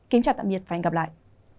kính chào tạm biệt và hẹn gặp lại